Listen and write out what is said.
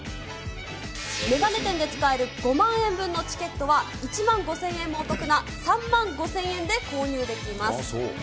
眼鏡店で使える５万円分のチケットは１万５０００円もお得な３万５０００円で購入できます。